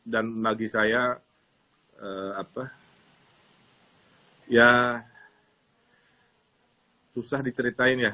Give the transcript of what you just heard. dan bagi saya apa ya susah diceritain ya